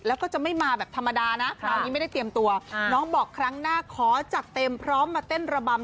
แล้วก็จะไม่มาแบบธรรมดานะคราวนี้ไม่ได้เตรียมตัวน้องบอกครั้งหน้าขอจัดเต็มพร้อมมาเต้นระบำ